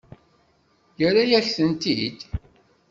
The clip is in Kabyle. Yerra-yak-tent-id?